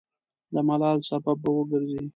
د ملال سبب به وګرځي.